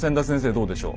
どうでしょう？